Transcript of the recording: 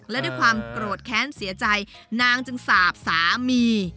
และด้วยความโกรธแค้นเสียใจนางจึงสาบสามี